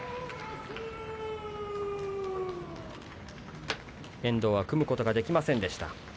拍手遠藤は組むことができませんでした。